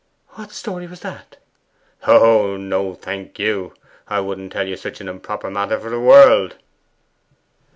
'What story was that?' 'Oh no, thank you! I wouldn't tell you such an improper matter for the world!